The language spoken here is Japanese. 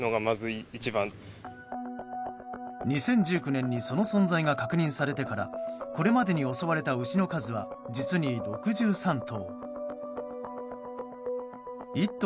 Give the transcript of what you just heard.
２０１９年にその存在が確認されてからこれまでに襲われた牛の数は実に６３頭。